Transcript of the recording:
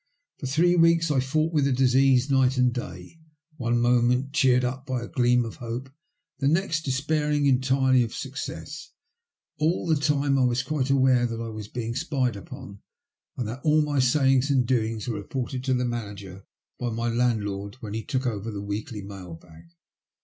For three weeks I fought with the disease night and day, one moment cheered by a gleam of hope, the next despairing entirely of success. All the time I was quite aware that I was being spied upon, and that all my sayings and doings were reported to the manager by my landlord when he took over the weekly mail bag.